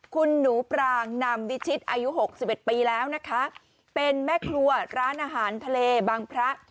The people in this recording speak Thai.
คุณหนูปรางนำวิชิตอายุหกสิบเอ็ดปีแล้วนะคะเป็นแม่ครัวร้านอาหารทะเลบางพระ